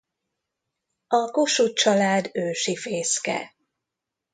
A Kossuth család ősi fészke.